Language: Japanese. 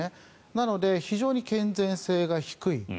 なので、非常に健全性が低い。